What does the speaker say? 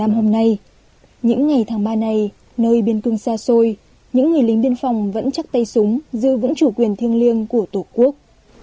hôm nay những ngày tháng ba này nơi biên cương xa xôi những người lính biên phòng vẫn chắc tay súng giữ vững chủ quyền thiêng liêng của tổ quốc